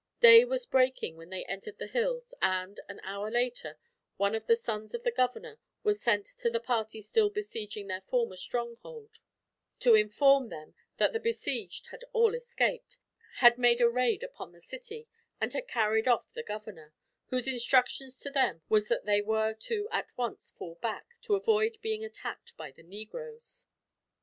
Day was breaking when they entered the hills and, an hour later, one of the sons of the governor was sent to the party still besieging their former stronghold, to inform them that the besieged had all escaped, had made a raid upon the city, and had carried off the governor; whose instructions to them was that they were to at once fall back, to avoid being attacked by the negroes.